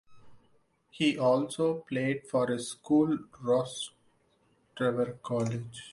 He also played for his school Rostrevor College.